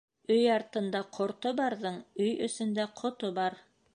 Өй артында ҡорто барҙың өй эсендә ҡото бар.